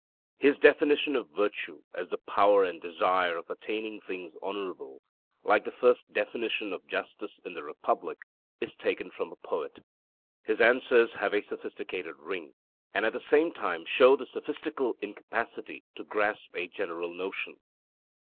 His definition of virtue as 'the power and desire of attaining things honourable,' like the first definition of justice in the Republic, is taken from a poet. His answers have a sophistical ring, and at the same time show the sophistical incapacity to grasp a general notion.